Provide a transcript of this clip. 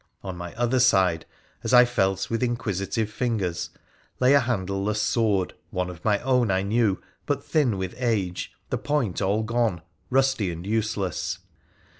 On my other side, as I felt with in quisitive fingers, lay a handleless sword, one of my own I knew, but thin with age, the point all gone, rusty and useless.